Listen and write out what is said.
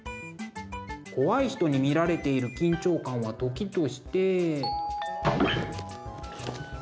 怖い人に見られている緊張感は時として。